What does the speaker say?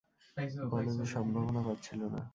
বলো যে সম্ভাবনা পাচ্ছিল না।